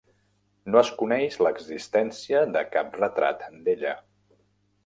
No es coneix l'existència de cap retrat d'ella.